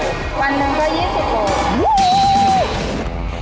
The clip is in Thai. วันหนึ่งก็๒๐กิโล